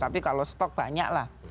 tapi kalau stok banyaklah